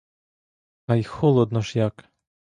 Тай холодно ж як.